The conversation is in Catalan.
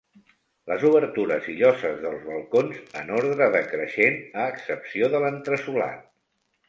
Les obertures i lloses dels balcons en ordre decreixent a excepció de l'entresolat.